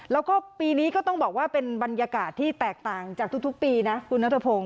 แล้วก็ปีนี้ก็ต้องบอกว่าเป็นบรรยากาศที่แตกต่างจากทุกปีนะคุณนัทพงศ